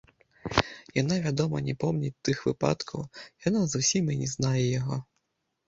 Яна, вядома, не помніць тых выпадкаў, яна зусім і не знае яго.